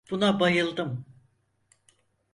Buna bayıldım.